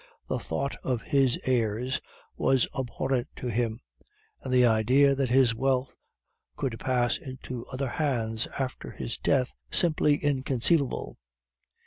The thought of his heirs was abhorrent to him; and the idea that his wealth could pass into other hands after his death simply inconceivable.